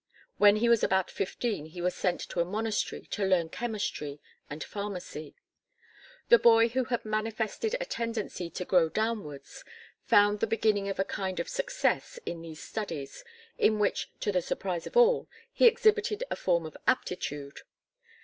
When he was about fifteen he was sent to a monastery to learn chemistry and pharmacy. The boy who had manifested a tendency to "grow downwards" found the beginning of a kind of success in these studies in which, to the surprise of all, he exhibited a form of aptitude.